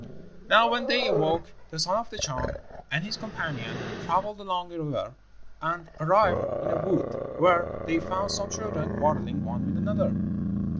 "Now when they awoke the son of the Chan and his companion travelled along a river and arrived in a wood, where they found some children quarrelling one with another.